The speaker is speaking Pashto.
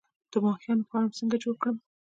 د ماهیانو فارم څنګه جوړ کړم؟